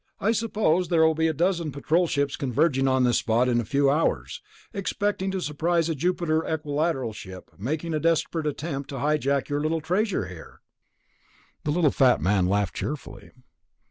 I suppose there will be a dozen Patrol ships converging on this spot in a few hours, expecting to surprise a Jupiter Equilateral ship making a desperate attempt to hijack your little treasure here." The little fat man laughed cheerfully.